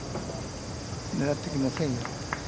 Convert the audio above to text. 狙ってきませんよ。